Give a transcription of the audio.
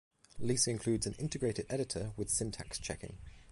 Lisa includes an integrated editor with syntax checking.